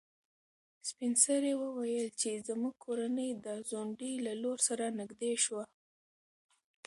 سپین سرې وویل چې زموږ کورنۍ د ځونډي له لور سره نږدې شوه.